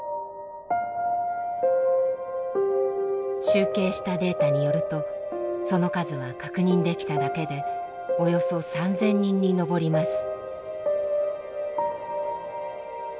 集計したデータによるとその数は確認できただけでおよそ３，０００人に上ります。